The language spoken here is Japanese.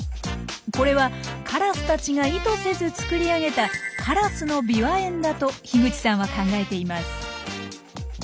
これはカラスたちが意図せず作り上げた「カラスのビワ園」だと口さんは考えています。